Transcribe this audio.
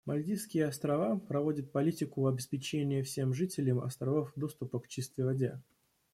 Мальдивские Острова проводят политику обеспечения всем жителям островов доступа к чистой воде.